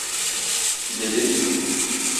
Gidecek misin?